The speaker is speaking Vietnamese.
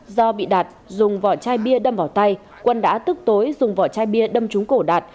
do bị đạt dùng vỏ chai bia đâm vào tay quân đã tức tối dùng vỏ chai bia đâm trúng cổ đạt